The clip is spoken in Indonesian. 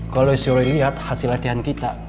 kalau si rory lihat hasil latihan kita